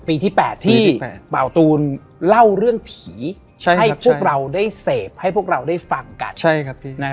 ปีที่๘ที่เบาตูนเล่าเรื่องผีให้พวกเราได้เสพให้พวกเราได้ฟังกัน